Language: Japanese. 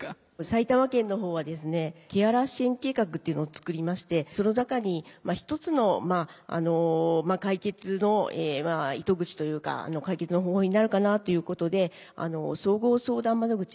埼玉県の方はですねケアラー支援計画っていうのを作りましてその中に一つの解決の糸口というか解決の方法になるかなということで総合相談窓口。